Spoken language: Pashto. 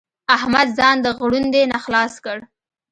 احمد ځان د غړوندي نه خلاص کړ.